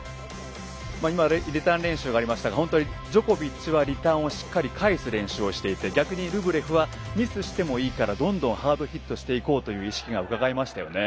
今、リターン練習がありましたがジョコビッチは、リターンをしっかり返す練習をしていて逆にルブレフはミスしてもいいからどんどんハードヒットしていこうという意識がうかがえましたよね。